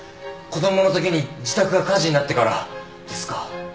子供のときに自宅が火事になってからですか？